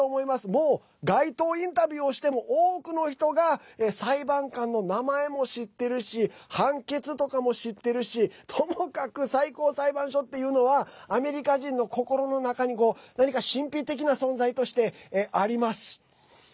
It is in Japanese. もう、街頭インタビューをしても多くの人が裁判官の名前も知ってるし判決とかも知ってるしともかく最高裁判所っていうのはアメリカ人の心の中に何か神秘的な存在としてあります。